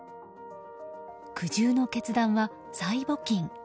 苦渋の決断は、再募金。